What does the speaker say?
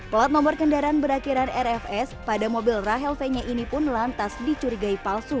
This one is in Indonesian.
plat nomor kendaraan berakhiran rfs pada mobil rahel fenya ini pun lantas dicurigai palsu